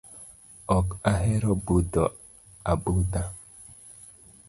Ok ahero budho abudha.